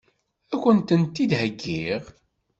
Ad kent-tent-id-heggiɣ?